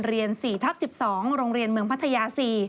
เรียน๔ทับ๑๒โรงเรียนเมืองพัทยา๔